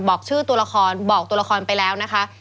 บอกชื่อตัวละครบอกตัวละครไปแล้วนะคะ